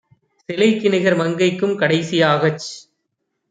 சிலைக்குநிகர் மங்கைக்கும் "கடைசி யாகச்